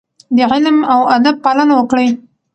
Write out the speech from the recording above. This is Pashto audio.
د علم او ادب پالنه وکړئ.